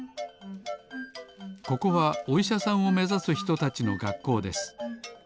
ここはおいしゃさんをめざすひとたちのがっこうです。